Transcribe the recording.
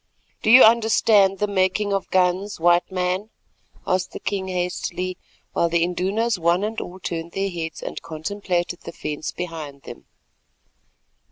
"Do you understand the making of guns, White Man?" asked the king hastily, while the Indunas one and all turned their heads, and contemplated the fence behind them.